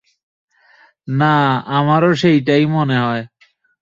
না, আমারো সেটাই মনে হয়।